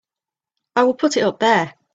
I would put it up there!